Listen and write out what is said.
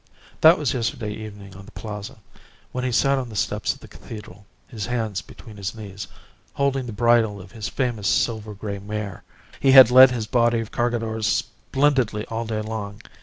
"That was yesterday evening on the Plaza, while he sat on the steps of the cathedral, his hands between his knees, holding the bridle of his famous silver grey mare. He had led his body of Cargadores splendidly all day long.